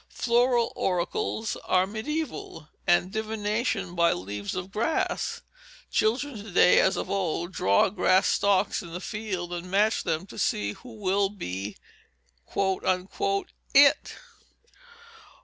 Flower oracles are mediæval, and divination by leaves of grass. Children to day, as of old, draw grass stalks in the field and match them to see who will be "It."